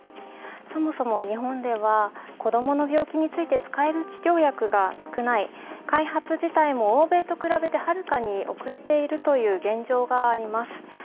そもそも日本では子供の病気について、使える治療薬が少ない、開発自体も欧米と比べてはるかに遅れているという現状があります。